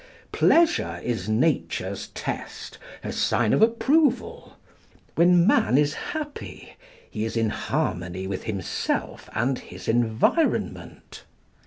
Pleasure is Nature's test, her sign of approval. When man is happy, he is in harmony with himself and his environment.